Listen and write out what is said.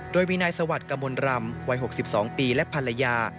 โดยมีนายสวัสดิ์กมลรำวัย๖๒ปีและภรรยา